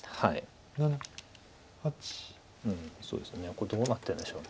これどうなってるんでしょう。